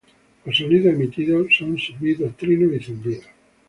Los sonidos emitidos son silbidos, trinos y zumbidos.